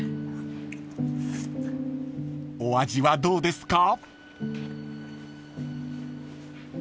［お味はどうですか？］